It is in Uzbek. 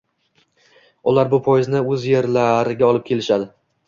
ular bu poyezdni o‘z yerlariga olib kelishadi.